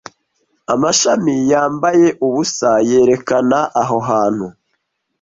amashami yambaye ubusa yerekana aho hantu